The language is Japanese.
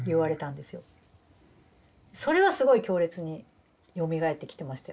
それはすごい強烈によみがえってきてましたよ。